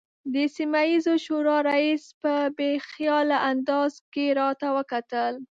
د سیمه ییزې شورا رئیس په بې خیاله انداز کې راته وکتل.